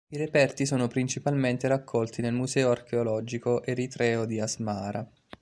I reperti sono principalmente raccolti nel Museo Archeologico eritreo di Asmara.